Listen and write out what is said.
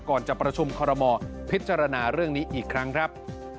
ก่อนจะประชุมคอรมอพิจารณาเรื่องนี้อีกครั้งครับ